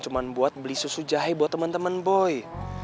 cuma buat beli susu jahe buat temen temen boy